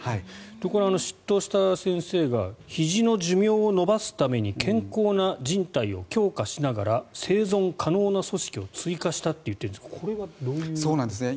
執刀した先生がひじの寿命を延ばすために健康なじん帯を強化しながら生存可能な組織を追加したといっているんですがこれはどういうことですか。